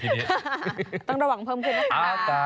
ชิลไลน์หนาวมาก